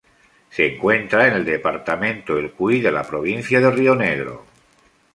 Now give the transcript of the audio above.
Se encuentra en el departamento El Cuy de la Provincia de Río Negro.